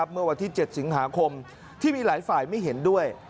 เมื่อวันที่๗สิงหาคมที่มีหลายฝ่ายไม่เห็นด้วย